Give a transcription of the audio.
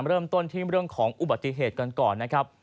เริ่มต้นที่เรื่องของอุบัติเหตุกันก่อนนะครับ